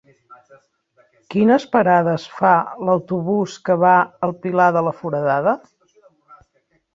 Quines parades fa l'autobús que va al Pilar de la Foradada?